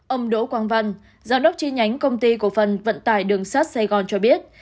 ông đỗ quang văn giám đốc chi nhánh công ty cổ phần vận tải đường sắt sài gòn cho biết